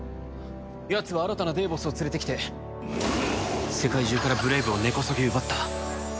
やつは新たなデーボスを連れてきて世界中からブレイブを根こそぎ奪った。